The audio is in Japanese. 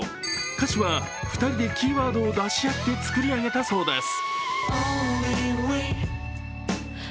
歌詞は２人でキーワードを出し合って作ったそうです。